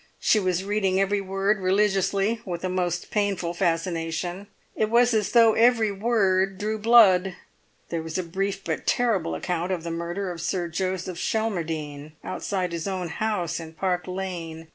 She was reading every word religiously, with a most painful fascination; it was as though every word drew blood. There was a brief but terrible account of the murder of Sir Joseph Schelmerdine outside his own house in Park Lane.